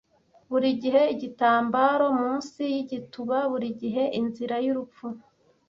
Burigihe igitambaro munsi yigituba, burigihe inzira yurupfu.